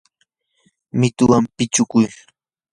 mituwan pichukuy.